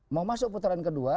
mau masuk putaran kedua